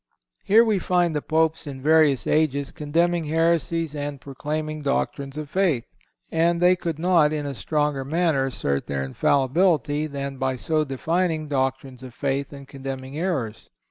Here we find the Popes in various ages condemning heresies and proclaiming doctrines of faith; and they could not in a stronger manner assert their infallibility than by so defining doctrines of faith and condemning errors.